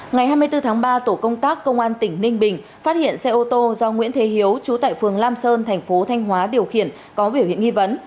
ngày hai mươi bốn tháng ba tổ công tác công an tỉnh ninh bình phát hiện xe ô tô do nguyễn thế hiếu trú tại phường lam sơn thành phố thanh hóa điều khiển có biểu hiện nghi vấn